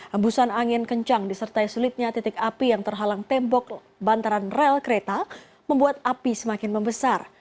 hembusan angin kencang disertai sulitnya titik api yang terhalang tembok bantaran rel kereta membuat api semakin membesar